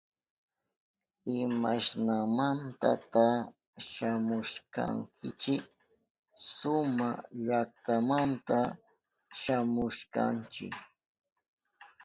¿Imashnamantata shamushkankichi? Suma llaktamanta shamushkanchi.